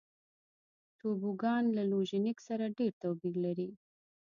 توبوګان له لوژینګ سره ډېر توپیر لري.